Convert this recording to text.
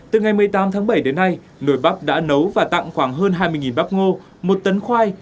từ ngày một mươi tám tháng bảy đến nay nổi bắp đã nấu và tặng khoảng hơn hai mươi bắp ngô một tấn khoai